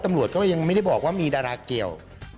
ตำรวจก็ยังไม่ได้บอกว่ามีดาราเกี่ยว